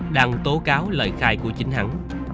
đang tố cáo lời khai của chính hắn